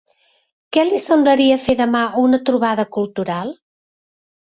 Què li semblaria fer demà una trobada cultural?